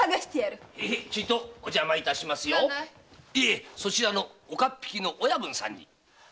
いえそちらの岡っ引きの親分さんに。